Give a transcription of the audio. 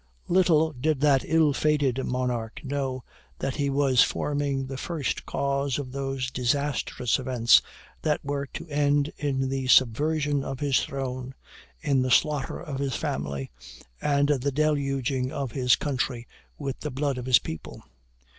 "Little did that ill fated monarch know that he was forming the first cause of those disastrous events that were to end in the subversion of his throne, in the slaughter of his family, and the deluging of his country with the blood of his people.